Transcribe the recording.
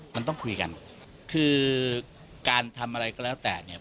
มันต้องคุยกันคือการทำอะไรก็แล้วแต่เนี่ย